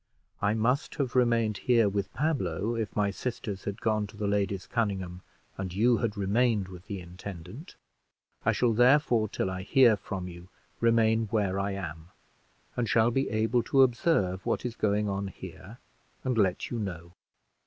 I must have remained here with Pablo if my sisters had gone to the Ladies Conynghame and you had remained with the intendant; I shall, therefore, till I hear from you, remain where I am, and shall be able to observe what is going on here, and let you know."